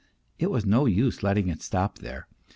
It was no use letting it stop there.